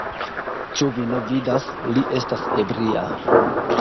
Ĉu vi ne vidas, li estas ebria.